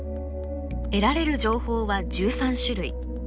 得られる情報は１３種類。